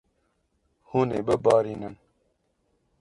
Hûn ê bibarînin.